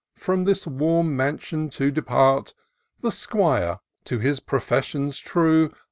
From this warm mansion to depart. The 'Squire, to his professions true.